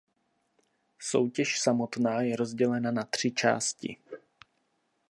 Soutěž samotná je rozdělena na tři části.